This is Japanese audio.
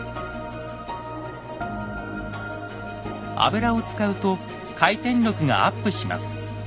油を使うと回転力がアップします。